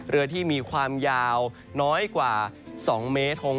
เรือที่มีความยาวน้อยกว่า๒เมตร